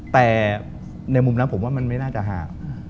แต่ในมุมนั้นผมว่ามันไม่น่าจะห่าง